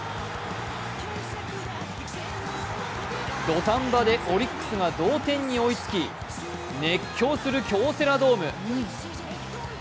土壇場でオリックスが同点に追いつき熱狂する京セラドーム。